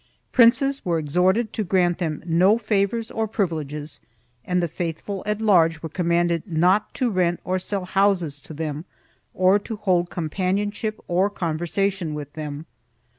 Princes were exhorted to grant them no favors or privileges and the faithful at large were commanded not to rent or sell houses to them or to hold companionship or conversation with them.